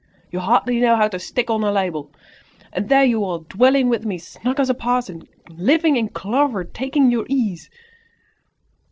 You hardly know how to stick on a label! And there you are, dwelling with me snug as a parson, living in clover, taking your ease!"